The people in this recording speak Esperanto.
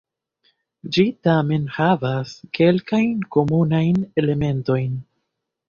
Ĝi tamen havas kelkajn komunajn elementojn.